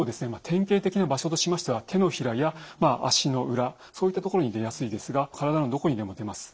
典型的な場所としましては手のひらや足の裏そういったところに出やすいですが体のどこにでも出ます。